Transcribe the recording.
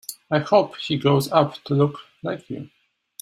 I hope he grows up to look like you.